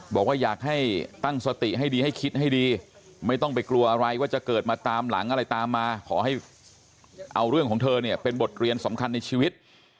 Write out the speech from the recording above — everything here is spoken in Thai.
บอกว่าอยากให้ตั้งสติให้ดีให้คิดให้ดีไม่ต้องไปกลัวอะไรว่าจะเกิดมาตามหลังอะไรตามมาขอให้เอาเรื่องของเธอเนี่ยเป็นบทเรียนสำคัญในชีวิต